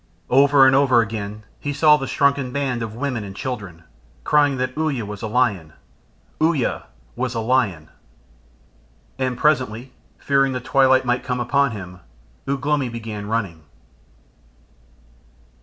Over and over again he saw the shrunken band of women and children crying that Uya was a lion. Uya was a lion! And presently, fearing the twilight might come upon him, Ugh lomi began running.